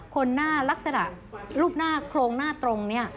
คนหน้าลักษณะรูปหน้าโครงหน้าตรงนี้